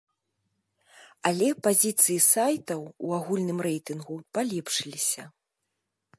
Але пазіцыі сайтаў у агульным рэйтынгу палепшыліся.